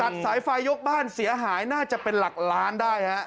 สายไฟยกบ้านเสียหายน่าจะเป็นหลักล้านได้ฮะ